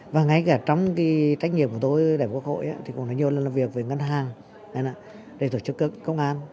và ngay cả trong trách nhiệm của tôi đại quốc hội cũng đã nhiều lần làm việc với ngân hàng để tổ chức công an